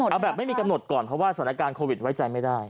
เอาแบบไม่มีกำหนดก่อนเพราะว่าสถานการณ์โควิดไว้ใจไม่ได้